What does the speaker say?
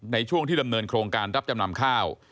ในช่วงที่ดำเนินโครงการรับจำนำข้าว